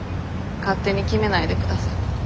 勝手に決めないで下さい。